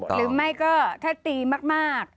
ถูกต้องหรือไม่ก็ถ้าตีมาก